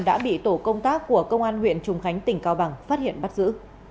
đã bị tổ công tác của công an huyện trùng khánh tỉnh cao bằng phát hiện bắt giữ